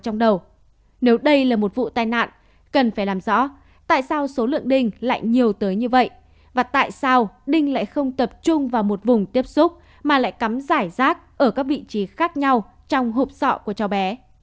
nếu đây là một vụ tai nạn cần phải làm rõ tại sao số lượng đinh lại nhiều tới như vậy và tại sao đinh lại không tập trung vào một vùng tiếp xúc mà lại cắm giải rác ở các vị trí khác nhau trong hộp sọ của cháu bé